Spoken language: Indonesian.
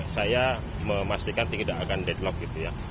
saya memastikan tidak akan deadlock gitu ya